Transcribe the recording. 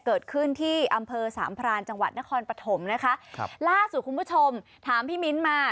เกิดขึ้นที่อำเภอสามพรานจังหวัดนครปฐมนะคะครับล่าสุดคุณผู้ชมถามพี่มิ้นมา